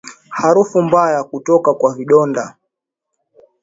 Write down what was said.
Harufu mbaya kutoka kwa vidonda